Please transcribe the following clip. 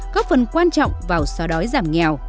góp phần quan trọng vào xóa đói giảm nghèo